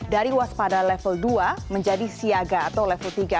dari waspada level dua menjadi siaga atau level tiga